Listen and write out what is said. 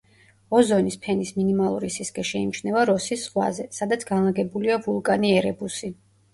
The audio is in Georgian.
ოზონის ფენის მინიმალური სისქე შეიმჩნევა როსის ზღვაზე, სადაც განლაგებულია ვულკანი ერებუსი.